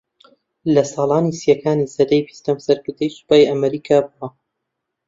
لە ساڵانی سیەکانی سەدەی بیستەم سەرکردەی سوپای ئەمریکا بووە